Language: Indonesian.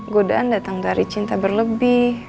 godaan datang dari cinta berlebih